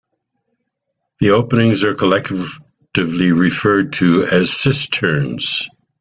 The openings are collectively referred to as cisterns.